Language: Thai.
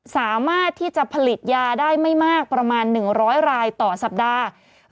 สามารถที่จะผลิตยาได้ไม่มากประมาณ๑๐๐รายต่อสัปดาห์